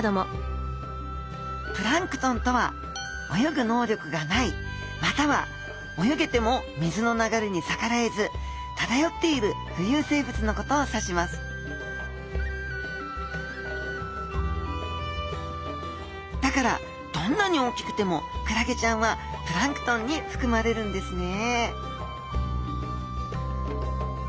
プランクトンとは泳ぐ能力がないまたは泳げても水の流れに逆らえず漂っている浮遊生物のことを指しますだからどんなに大きくてもクラゲちゃんはプランクトンにふくまれるんですね